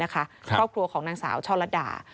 ครอบครัวของนางสาวช่อลัดดา